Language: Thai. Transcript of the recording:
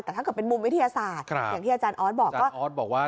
แต่ถ้าเกิดเป็นมุมวิทยาศาสตร์อย่างที่อาจารย์ออสบอกก็ออสบอกว่า